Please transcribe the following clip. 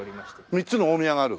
３つの大宮がある？